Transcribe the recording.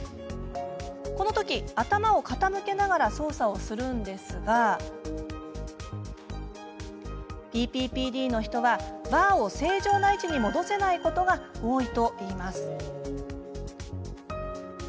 この時、頭を傾けながら操作をするのですがＰＰＰＤの人は、バーを正常な位置に戻せないことが多いといいます。